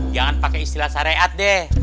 jangan pakai istilah syariat deh